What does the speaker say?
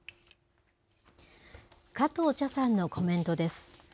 加藤茶さんのコメントです。